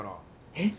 えっ？